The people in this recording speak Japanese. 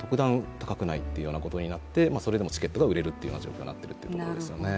高くないということになって、それでチケットが売れるという状況になっています。